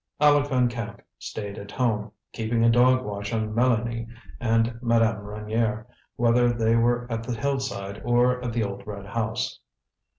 Aleck Van Camp stayed at home, keeping a dog watch on Mélanie and Madame Reynier, whether they were at the Hillside or at the old red house.